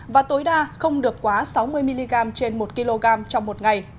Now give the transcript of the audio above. và tối đa không được quá sáu mươi mg trên một kg trong một ngày